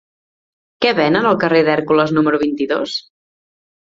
Què venen al carrer d'Hèrcules número vint-i-dos?